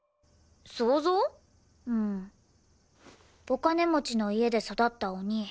お金持ちの家で育ったお兄。